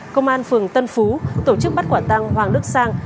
công an phường tân phú tổ chức bắt quả tăng hoàng đức sang